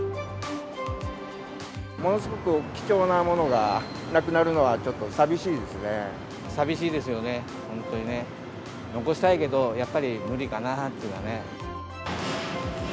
ものすごく貴重なものがなくなるのは、寂しいですよね、本当にね、残したいけどやっぱり、無理かなっていうのはね。